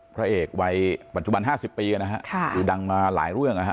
พระเอกวัยปัจจุบัน๕๐ปีนะฮะคือดังมาหลายเรื่องนะฮะ